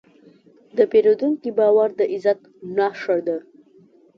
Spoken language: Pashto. د پیرودونکي باور د عزت نښه ده.